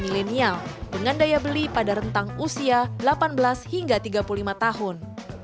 milenial dengan daya beli pada rentang usia delapan belas hingga tiga puluh lima tahun